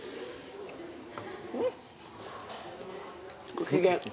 ご機嫌。